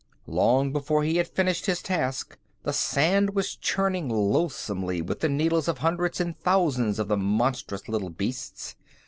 Long before he had finished his task, the sand was churning loathsomely with the needles of hundreds and thousands of the monstrous little beasts.